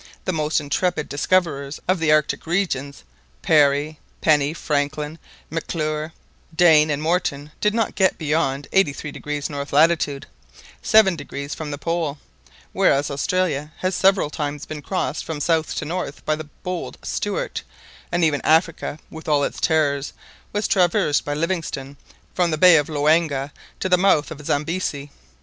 The most intrepid discoverers of the Arctic regions Parry, Penny, Franklin, M'Clure, Dane, and Morton — did not get beyond 83° north latitude, seven degrees from the pole — whereas Australia has several times been crossed from south to north by the bold Stuart; and even Africa, with all its terrors, was traversed by Livingstone from the Bay of Loanga to the mouth of the Zambesi.